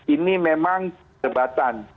ini memang debatan